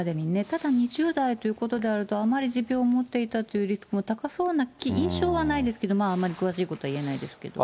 ただ２０代ということであると、あまり持病を持っていたというリスクも高そうな印象はないですけれども、あまり詳しいことは言えないですけど。